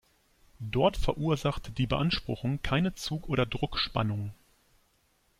Dort verursacht die Beanspruchung keine Zug- oder Druck-Spannung.